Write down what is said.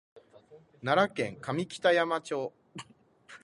奈良県上北山村